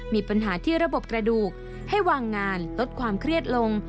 มีปัญหาที่ระบบกระดูกให้วางงานลดความเครียดลง